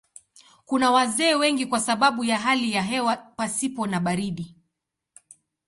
Kuna wazee wengi kwa sababu ya hali ya hewa pasipo na baridi.